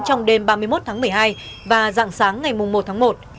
trong đêm ba mươi một tháng một mươi hai và dạng sáng ngày một tháng một